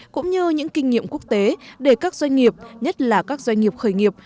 cũng như những kinh nghiệm quốc tế để các doanh nghiệp nhất là các doanh nghiệp khởi nghiệp